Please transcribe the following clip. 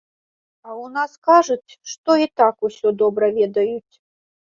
А ў нас кажуць, што і так усё добра ведаюць.